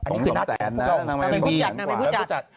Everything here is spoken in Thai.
นางไม่พูดจัด